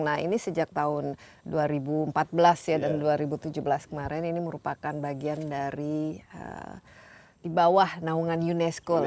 nah ini sejak tahun dua ribu empat belas ya dan dua ribu tujuh belas kemarin ini merupakan bagian dari di bawah naungan unesco ya